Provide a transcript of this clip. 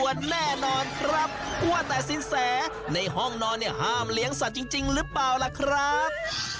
แน่นอนครับว่าแต่สินแสในห้องนอนเนี่ยห้ามเลี้ยงสัตว์จริงหรือเปล่าล่ะครับ